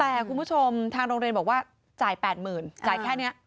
แต่คุณผู้ชมทางโรงเรียนบอกว่าจ่าย๘๐๐๐จ่ายแค่นี้